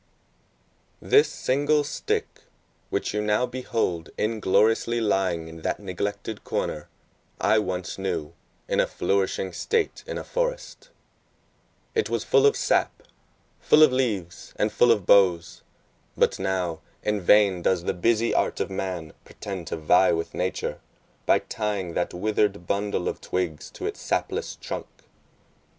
This single stick, which you now behold ingloriously lying in that neglected corner, I once knew in a nourishing state in a forest: it was full of sap, full of leaves, and full of boughs: but now, in vain does the busy art of man pretend to vie with nature, by tying that withered bundle of twigs to its sapless trunk.